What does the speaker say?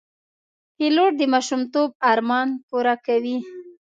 پیلوټ د ماشومتوب ارمان پوره کوي.